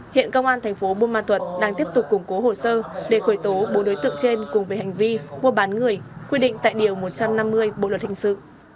hiện công an thành phố buôn ma thuật đang tiếp tục củng cố hồ sơ để khởi tố bốn đối tượng trên cùng về hành vi mua bán người quy định tại điều một trăm năm mươi bộ luật hình sự